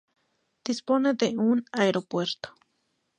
Dispone de un aeropuerto.